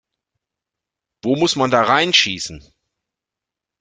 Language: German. Wo muss man da reinschießen?